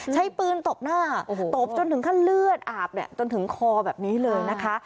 ใช้ปืนตบหน้าตบจนถึงขั้นเลือดอาบจนถึงคอแบบนี้เลยนะคะ